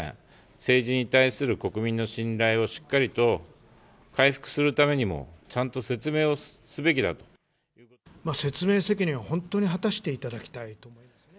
政治に対する国民の信頼をしっかりと回復するためにも、ちゃんと説明責任は本当に果たしていただきたいと思いますね。